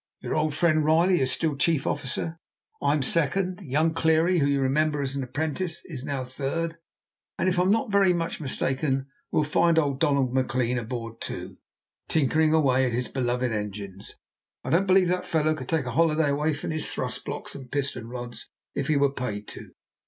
Your old friend Riley is still chief officer; I'm second; young Cleary, whom you remember as apprentice, is now third; and, if I'm not very much mistaken, we'll find old Donald Maclean aboard too, tinkering away at his beloved engines. I don't believe that fellow could take a holiday away from his thrust blocks and piston rods if he were paid to.